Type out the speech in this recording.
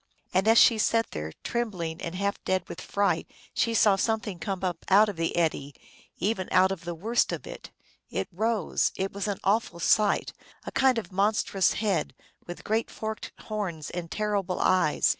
And as she sat there, trembling and half dead with fright, she saw Something come up out of the eddy, even out of the worst of it. It rose; it was an awful sight, a kind of monstrous head, with great forked horns and terrible eyes.